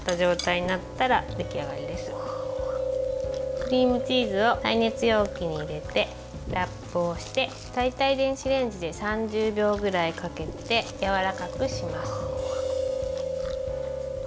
クリームチーズを耐熱容器に入れて、ラップをして大体、電子レンジで３０秒くらいかけてやわらかくします。